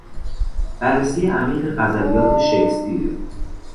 بررسی عمیق غزلیات شکسپیر